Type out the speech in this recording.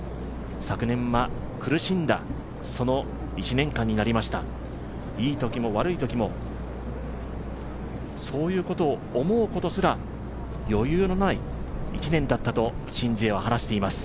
昨年は苦しんだ１年間になりましたいいときも悪いときも、そういうことを思うことすら余裕のない１年だったとシン・ジエは話しています。